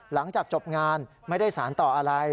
หลังจากจบงานไม่ได้สารต่ออะไร